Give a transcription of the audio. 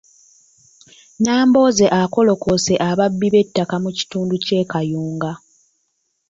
Nambooze akolokose ababbi b’ettaka mu kitundu ky’e Kayunga.